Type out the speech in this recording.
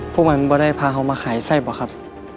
พวกมันไม่ได้พาเขามาขายไส้บ่ะครับ